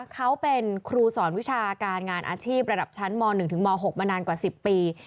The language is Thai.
เขาเป็นครูสอนวิชาการงานอาชีพระดับชั้นม๑ถึงม๖มานานกว่า๑๐ปี